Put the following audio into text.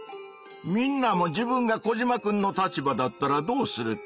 みんなも自分がコジマくんの立場だったらどうするか。